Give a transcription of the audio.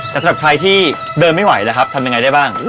แต่สำหรับใครที่เดินไม่ไหวแล้วครับทำยังไงได้บ้าง